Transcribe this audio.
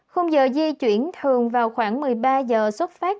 không giờ di chuyển thường vào khoảng một mươi ba giờ xuất phát